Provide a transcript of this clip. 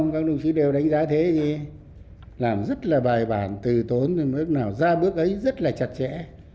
các đồng chí đều đánh giá thế làm rất là bài bản từ tốn bước nào ra bước ấy rất là chặt chẽ